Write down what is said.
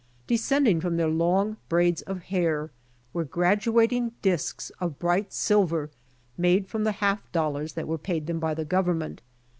Descending from their long braids of hair, were graduating discs of bright silver made from the half dollars that were paid them by the government.